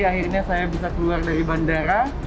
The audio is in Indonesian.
akhirnya saya bisa keluar dari bandara